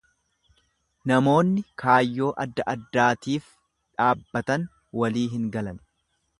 Namoonni kayyoo adda addaatiif dhaabbatan walii hin galan.